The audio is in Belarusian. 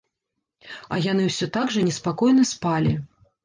А яны ўсе так жа неспакойна спалі.